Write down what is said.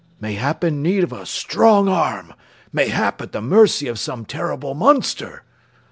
"Mayhap in need of a strong arm! Mayhap at the mercy of some terrible monster!"